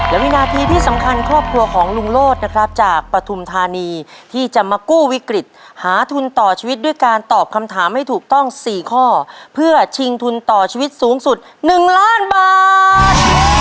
และวินาทีที่สำคัญครอบครัวของลุงโลศนะครับจากปฐุมธานีที่จะมากู้วิกฤตหาทุนต่อชีวิตด้วยการตอบคำถามให้ถูกต้อง๔ข้อเพื่อชิงทุนต่อชีวิตสูงสุด๑ล้านบาท